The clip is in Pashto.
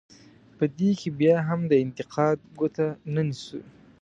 په دې کې بیا هم د انتقاد ګوته نه نیسو.